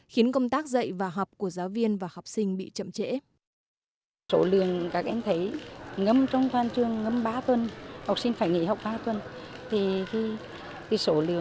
khiến công tác dạy và học của giáo viên và học sinh bị chậm trễ